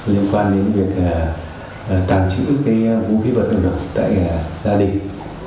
liên quan đến việc tàng trữ vũ khí vật liệu nổ tại gia đình